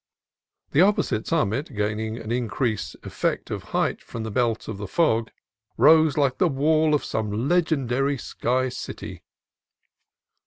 The opposite summit, gaining an increased effect of height from the belt of fog, rose like the wall of some legendary sky city.